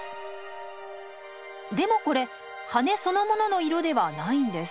でもこれ羽そのものの色ではないんです。